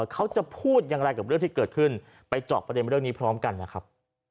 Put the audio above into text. เขาจะพูดอย่างไรกับเรื่องที่เกิดขึ้นไปเจาะประเด็นเรื่องนี้พร้อมกันนะครับ